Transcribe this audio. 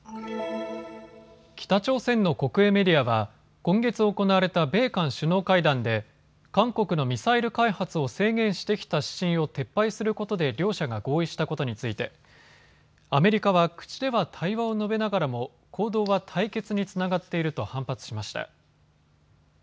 北朝鮮の国営メディアは今月行われた米韓首脳会談で韓国のミサイル開発を制限してきた指針を撤廃することで両者が合意したことについてアメリカは口では対話を述べながらも行動は対決につながっていると反発しました。